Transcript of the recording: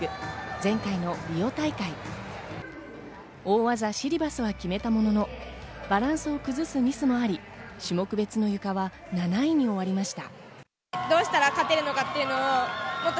前回のリオ大会、大技・シリバスは決めたものの、バランスを崩すミスもあり、種目別のゆかは７位に終わりました。